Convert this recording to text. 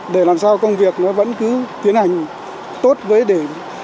để làm sao công việc nó vẫn cứ tiến hành tốt với để